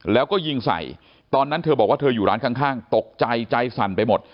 แล้วก็ยิงใส่ตอนนั้นเธอบอกว่าเธออยู่ร้านข้างตกใจใจสั่นไปหมด